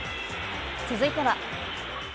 続いては。